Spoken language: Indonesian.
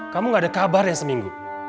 kamu gak ada kabarnya seminggu